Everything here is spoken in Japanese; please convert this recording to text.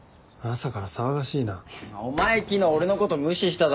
お前昨日俺のこと無視しただろ。